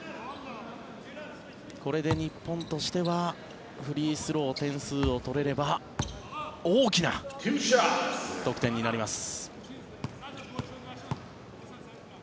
これで日本としてはフリースロー、点数を取れれば大きな得点になります。